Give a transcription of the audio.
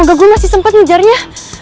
semoga gue masih sempet ngejarnya